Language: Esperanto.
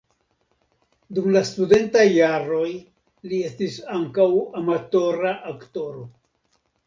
Dum la studentaj jaroj li estis ankaŭ amatora aktoro.